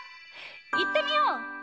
いってみよう！